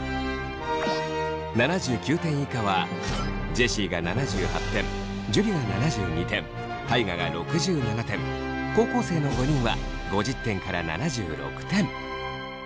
７９点以下はジェシーが７８点樹が７２点大我が６７点高校生の５人は５０点から７６点。